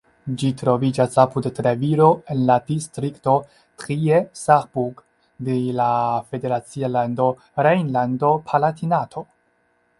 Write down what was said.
Ĝi troviĝas apud Treviro en la distrikto Trier-Saarburg de la federacia lando Rejnlando-Palatinato.